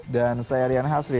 dan saya rian hasri